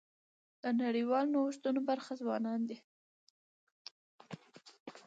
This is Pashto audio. د نړیوالو نوښتونو برخه ځوانان دي.